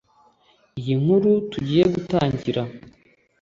iyi nkuru tugiye gutangira,